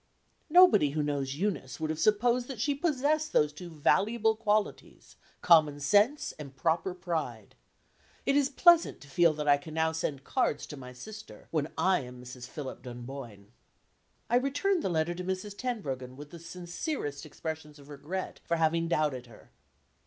Nobody who knows Eunice would have supposed that she possessed those two valuable qualities common sense and proper pride. It is pleasant to feel that I can now send cards to my sister, when I am Mrs. Philip Dunboyne. I returned the letter to Mrs. Tenbruggen, with the sincerest expressions of regret for having doubted her.